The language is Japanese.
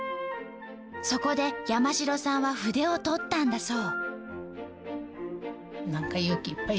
そこで山城さんは筆を執ったんだそう。